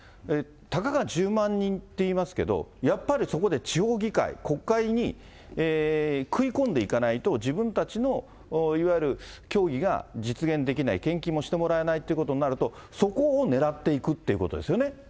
たかが１０万人っていいますけど、やっぱりそこで地方議会、国会に食い込んでいかないと、自分たちのいわゆる教義が実現できない、献金もしてもらえないということになると、そこを狙っていくといそうですね。